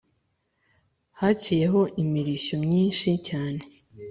haciyeho imirishyo myinshi cyane